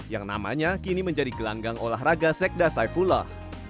yang namanya kini menjadi gelanggang olahraga sekda saifullah